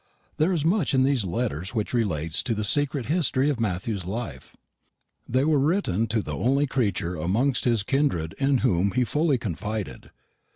There is much in these letters which relates to the secret history of Matthew's life. They were written to the only creature amongst his kindred in whom he fully confided.